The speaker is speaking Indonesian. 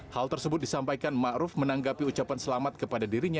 hal tersebut disampaikan ma'ruf menanggapi ucapan selamat kepada dirinya